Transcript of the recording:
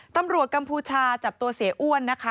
กัมพูชาจับตัวเสียอ้วนนะคะ